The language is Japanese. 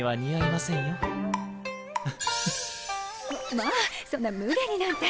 まぁそんなむげになんて。